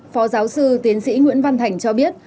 phó giáo sư tiến sĩ nguyễn văn thành cho biết